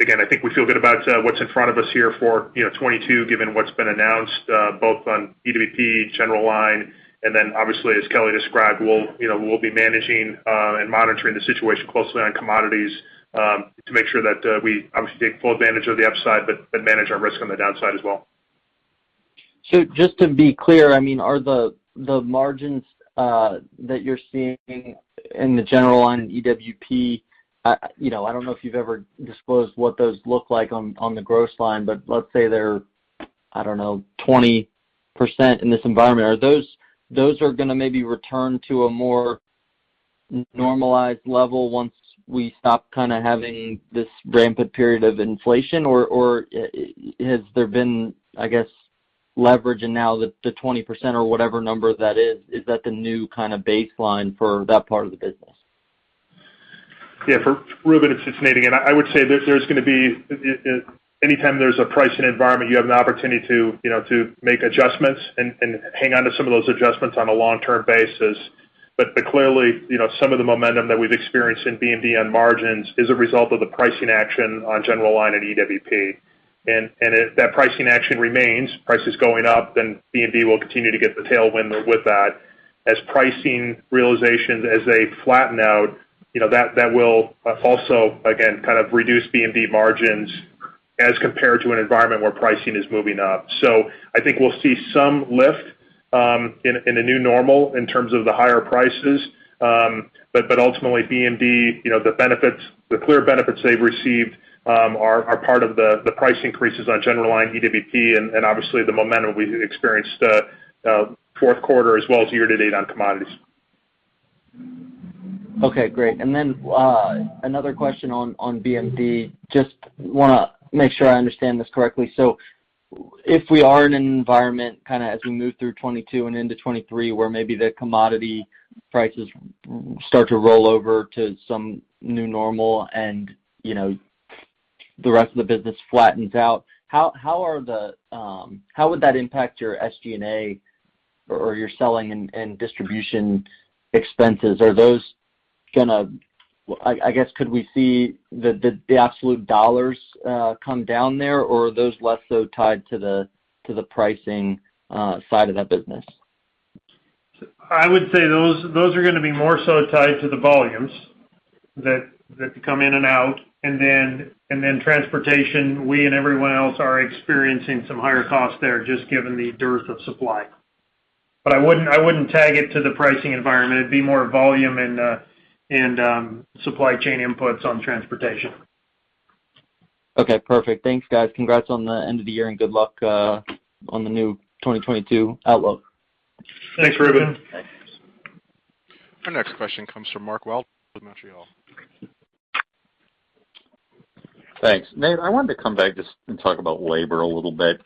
Again, I think we feel good about what's in front of us here for 2022, given what's been announced both on EWP, general line. And then obviously, as Kelly described, we'll, you know, we'll be managing and monitoring the situation closely on commodities to make sure that we obviously take full advantage of the upside but manage our risk on the downside as well. Just to be clear, I mean, are the margins that you're seeing in the general line EWP, you know, I don't know if you've ever disclosed what those look like on the gross line, but let's say they're, I don't know, 20% in this environment. Are those gonna maybe return to a more normalized level once we stop kind of having this rampant period of inflation? Or has there been, I guess, leverage and now the 20% or whatever number that is that the new kind of baseline for that part of the business? Yeah. For Reuben, it's just Nate again. I would say there's gonna be anytime there's a pricing environment. You have an opportunity to, you know, to make adjustments and hang on to some of those adjustments on a long-term basis. Clearly, you know, some of the momentum that we've experienced in BMD on margins is a result of the pricing action on general line and EWP. If that pricing action remains, prices going up, then BMD will continue to get the tailwind with that. As pricing realizations flatten out, you know, that will also again kind of reduce BMD margins as compared to an environment where pricing is moving up. I think we'll see some lift in a new normal in terms of the higher prices. Ultimately BMD, you know, the benefits, the clear benefits they've received, are part of the price increases on general line EWP and obviously the momentum we experienced fourth quarter as well as year to date on commodities. Okay. Great. Another question on BMD, just wanna make sure I understand this correctly. If we are in an environment kind of as we move through 2022 and into 2023, where maybe the commodity prices start to roll over to some new normal and, you know, the rest of the business flattens out, how would that impact your SG&A or your selling and distribution expenses? Are those gonna I guess could we see the absolute dollars come down there, or are those less so tied to the pricing side of that business? I would say those are gonna be more so tied to the volumes that come in and out. Then transportation, we and everyone else are experiencing some higher costs there just given the dearth of supply. I wouldn't tag it to the pricing environment. It'd be more volume and supply chain inputs on transportation. Okay. Perfect. Thanks, guys. Congrats on the end of the year, and good luck on the new 2022 outlook. Thanks, Reuben. Thanks. Our next question comes from Mark Wilde with Montreal. Thanks. Nate, I wanted to come back just and talk about labor a little bit.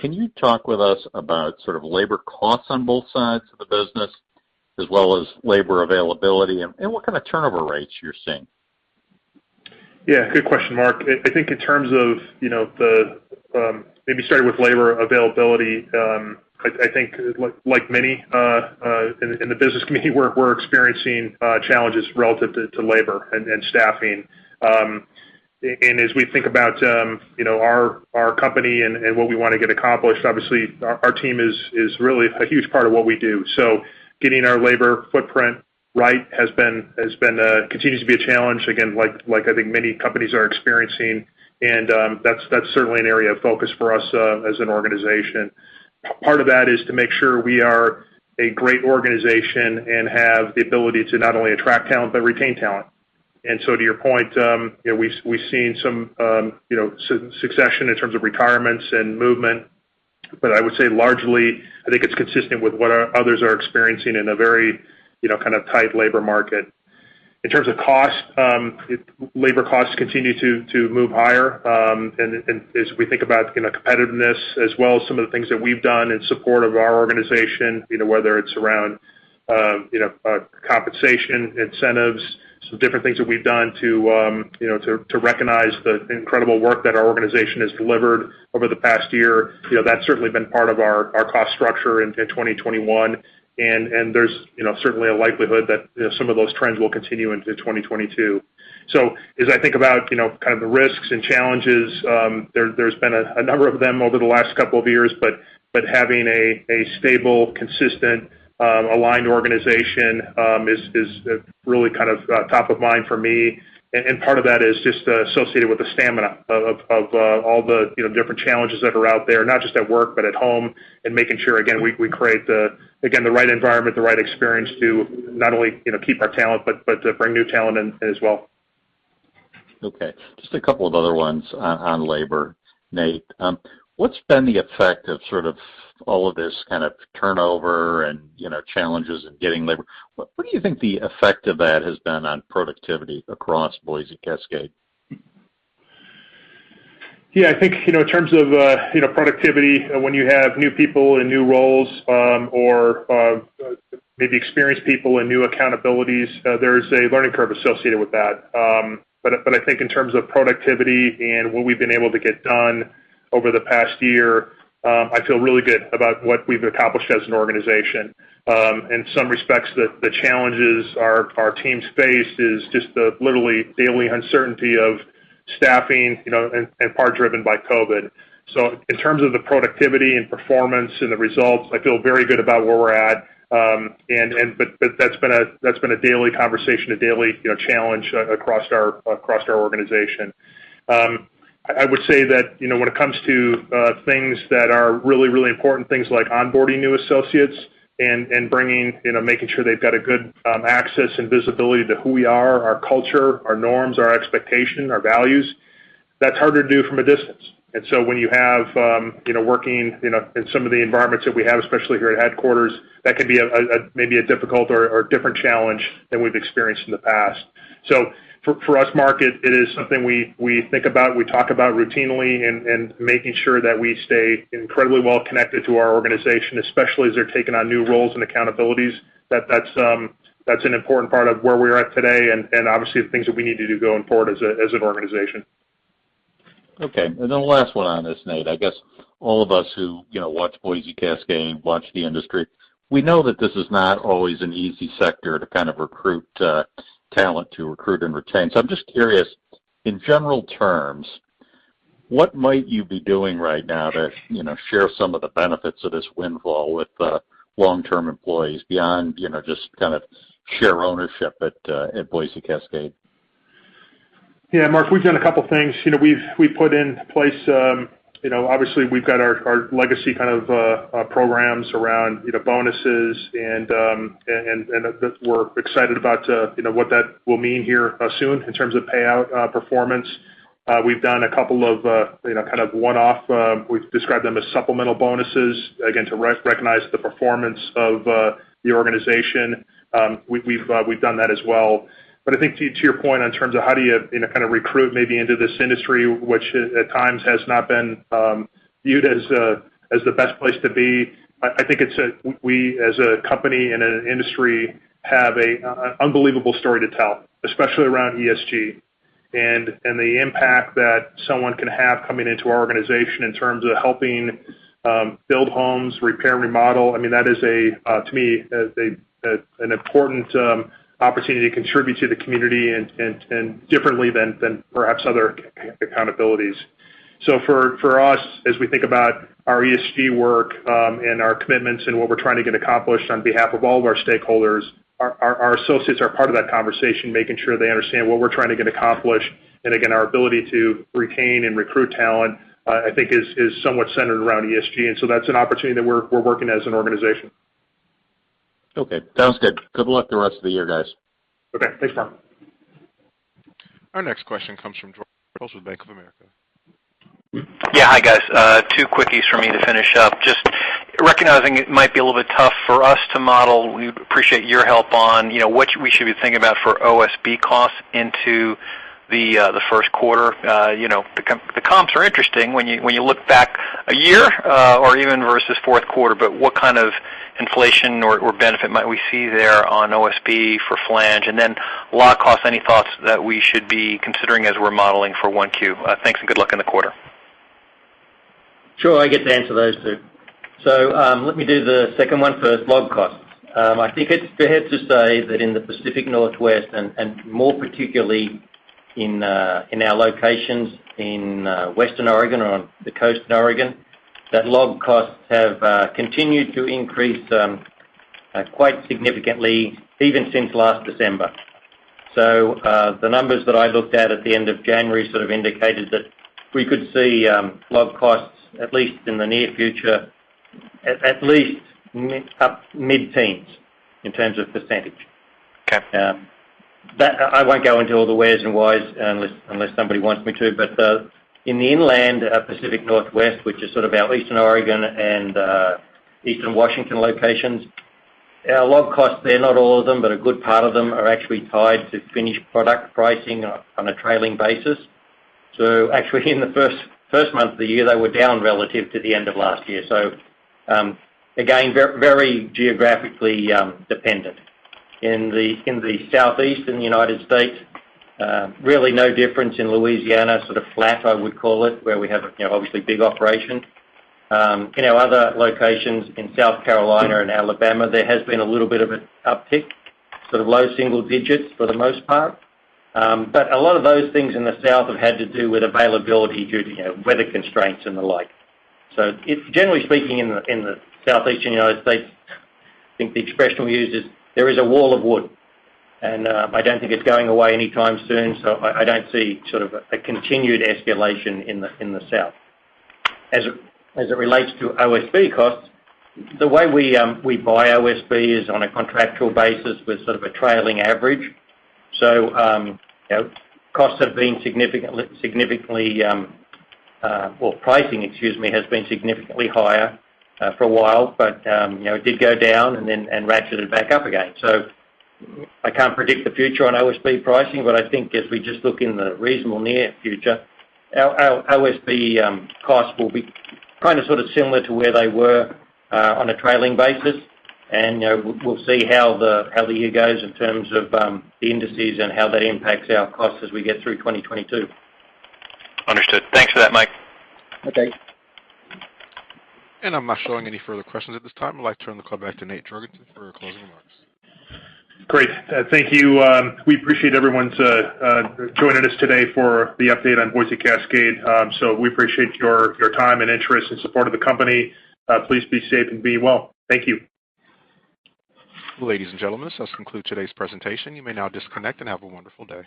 Can you talk with us about sort of labor costs on both sides of the business as well as labor availability and what kind of turnover rates you're seeing? Yeah, good question, Mark. I think in terms of, you know, the, maybe starting with labor availability, I think like many in the business community, we're experiencing challenges relative to labor and staffing. As we think about, you know, our company and what we wanna get accomplished, obviously our team is really a huge part of what we do. So getting our labor footprint right has been continues to be a challenge, again, like I think many companies are experiencing. That's certainly an area of focus for us as an organization. Part of that is to make sure we are a great organization and have the ability to not only attract talent but retain talent. To your point, you know, we've seen some, you know, succession in terms of retirements and movement. I would say largely, I think it's consistent with what others are experiencing in a very, you know, kind of tight labor market. In terms of cost, labor costs continue to move higher. As we think about, you know, competitiveness as well as some of the things that we've done in support of our organization, you know, whether it's around, you know, compensation, incentives. Different things that we've done to, you know, to recognize the incredible work that our organization has delivered over the past year. You know, that's certainly been part of our cost structure in 2021 and there's, you know, certainly a likelihood that, you know, some of those trends will continue into 2022. As I think about, you know, kind of the risks and challenges, there's been a number of them over the last couple of years, but having a stable, consistent, aligned organization is really kind of top of mind for me. Part of that is just associated with the stamina of all the, you know, different challenges that are out there, not just at work, but at home, and making sure, again, we create the, again, the right environment, the right experience to not only, you know, keep our talent, but to bring new talent in as well. Okay. Just a couple of other ones on labor, Nate. What's been the effect of sort of all of this kind of turnover and, you know, challenges in getting labor? What do you think the effect of that has been on productivity across Boise Cascade? Yeah, I think, you know, in terms of productivity, when you have new people in new roles, or maybe experienced people in new accountabilities, there's a learning curve associated with that. I think in terms of productivity and what we've been able to get done over the past year, I feel really good about what we've accomplished as an organization. In some respects, the challenges our teams face is just the literally daily uncertainty of staffing, you know, and part driven by COVID. In terms of the productivity and performance and the results, I feel very good about where we're at. That's been a daily conversation, a daily, you know, challenge across our organization. I would say that, you know, when it comes to things that are really important, things like onboarding new associates and bringing, you know, making sure they've got a good access and visibility to who we are, our culture, our norms, our expectation, our values, that's harder to do from a distance. When you have, you know, working, you know, in some of the environments that we have, especially here at headquarters, that can be a maybe difficult or different challenge than we've experienced in the past. For us, Mark, it is something we think about, we talk about routinely and making sure that we stay incredibly well connected to our organization, especially as they're taking on new roles and accountabilities. That's an important part of where we're at today and obviously the things that we need to do going forward as an organization. Okay. Last one on this, Nate. I guess all of us who, you know, watch Boise Cascade, watch the industry, we know that this is not always an easy sector to kind of recruit talent and retain. I'm just curious, in general terms, what might you be doing right now to, you know, share some of the benefits of this windfall with long-term employees beyond, you know, just kind of share ownership at Boise Cascade? Yeah, Mark, we've done a couple things. You know, we've put in place, you know, obviously we've got our legacy kind of programs around, you know, bonuses and that we're excited about, you know, what that will mean here soon in terms of payout performance. We've done a couple of, you know, kind of one-off, we've described them as supplemental bonuses, again, to recognize the performance of the organization. We've done that as well. I think to your point in terms of how do you know, kind of recruit maybe into this industry, which at times has not been viewed as the best place to be. I think it's we as a company and an industry have an unbelievable story to tell, especially around ESG and the impact that someone can have coming into our organization in terms of helping build homes, repair, remodel. I mean, that is, to me, an important opportunity to contribute to the community and differently than perhaps other accountabilities. For us, as we think about our ESG work, and our commitments and what we're trying to get accomplished on behalf of all of our stakeholders, our associates are part of that conversation, making sure they understand what we're trying to get accomplished. Again, our ability to retain and recruit talent, I think is somewhat centered around ESG. That's an opportunity that we're working as an organization. Okay. Sounds good. Good luck the rest of the year, guys. Okay. Thanks, Mark. Our next question comes from George Staphos with Bank of America. Yeah. Hi, guys. Two quickies for me to finish up. Just recognizing it might be a little bit tough for us to model, we'd appreciate your help on, you know, what we should be thinking about for OSB costs into the first quarter. You know, the comps are interesting when you look back a year, or even versus fourth quarter, but what kind of inflation or benefit might we see there on OSB for flange? And then log costs, any thoughts that we should be considering as we're modeling for 1Q? Thanks and good luck in the quarter. Sure. I get to answer those two. Let me do the second one first. Log costs. I think it's fair to say that in the Pacific Northwest and more particularly in our locations in western Oregon or on the coast in Oregon, that log costs have continued to increase quite significantly even since last December. The numbers that I looked at at the end of January sort of indicated that we could see log costs, at least in the near future, at least up mid-teens in terms of percent. Okay. That I won't go into all the wheres and whys unless somebody wants me to. In the inland Pacific Northwest, which is sort of our eastern Oregon and eastern Washington locations, our log costs there, not all of them, but a good part of them are actually tied to finished product pricing on a trailing basis. Actually in the first month of the year, they were down relative to the end of last year. Again, very geographically dependent. In the Southeast in the United States, really no difference in Louisiana, sort of flat, I would call it, where we have, you know, obviously big operation. In our other locations in South Carolina and Alabama, there has been a little bit of an uptick, sort of low single digits for the most part. A lot of those things in the South have had to do with availability due to, you know, weather constraints and the like. It's generally speaking in the Southeastern United States, I think the expression we use is there is a wall of wood, and I don't think it's going away anytime soon, so I don't see sort of a continued escalation in the South. As it relates to OSB costs, the way we buy OSB is on a contractual basis with sort of a trailing average. You know, costs have been significantly, well, pricing excuse me, has been significantly higher for a while, but you know, it did go down and then ratcheted back up again. I can't predict the future on OSB pricing, but I think as we just look in the reasonable near future, our OSB costs will be kinda sorta similar to where they were on a trailing basis. You know, we'll see how the year goes in terms of the indices and how that impacts our costs as we get through 2022. Understood. Thanks for that, Mike. Okay. I'm not showing any further questions at this time. I'd like to turn the call back to Nate Jorgensen for closing remarks. Great. Thank you. We appreciate everyone joining us today for the update on Boise Cascade. We appreciate your time and interest and support of the company. Please be safe and be well. Thank you. Ladies and gentlemen, this concludes today's presentation. You may now disconnect and have a wonderful day.